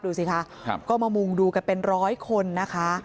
ดูสิคะก็มามุงดูกันเป็นร้อยคนนะคะ